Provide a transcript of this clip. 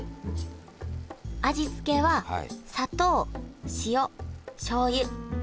味付けは砂糖塩しょうゆ。